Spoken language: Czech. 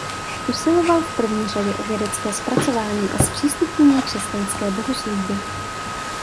Usiloval v první řadě o vědecké zpracování a zpřístupnění křesťanské bohoslužby.